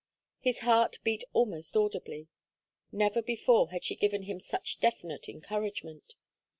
His heart beat almost audibly. Never before had she given him such definite encouragement.